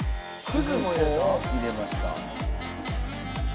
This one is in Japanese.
くず粉を入れました。